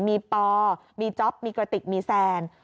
มีปอมีจ๊อปมีกระติกมีแซน